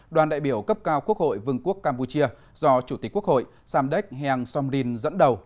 đoàn đại biểu cấp cao quốc hội vương quốc campuchia do chủ tịch quốc hội samdek heng somrin dẫn đầu